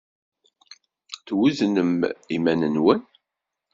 Tweznem iman-nwen?